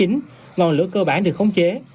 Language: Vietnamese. ngọn lửa cơ bản được khống chế